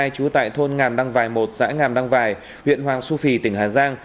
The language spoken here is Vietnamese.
trú tại thôn ngàn đăng vài một xã ngàn đăng vài huyện hoàng su phi tỉnh hà giang